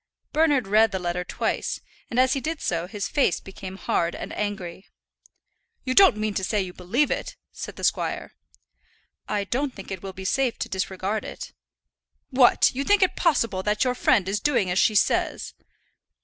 Bernard read the letter twice, and as he did so his face became hard and angry. "You don't mean to say you believe it?" said the squire. "I don't think it will be safe to disregard it." "What! you think it possible that your friend is doing as she says?"